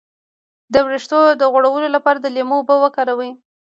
د ویښتو د غوړ لپاره د لیمو اوبه وکاروئ